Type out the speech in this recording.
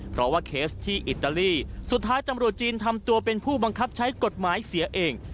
เพราะว่าเคสที่อิตาลีสุดท้ายตำรวจจีนทำตัวเป็นผู้บังคับใช้กฎหมายเสียเอง